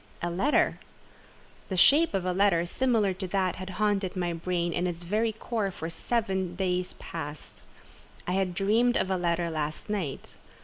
A letter! The shape of a letter similar to that had haunted my brain in its very core for seven days past. I had dreamed of a letter last night.